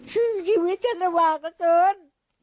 ชื่อชีวิตฉันระหว่างมากเกิน